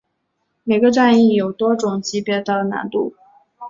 每个战役有多种级别的难度。